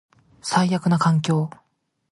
最悪な環境